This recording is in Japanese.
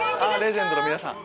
レジェンドの皆さん。